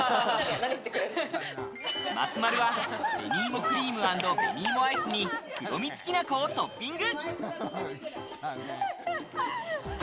松丸は紅芋クリーム＆紅芋アイスに黒蜜きなこをトッピング。